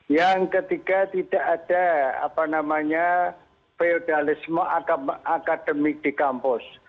yang ketiga tidak ada feodalisme akademik di kampus